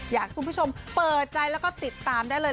อยากให้คุณผู้ชมเปิดใจแล้วก็ติดตามได้เลย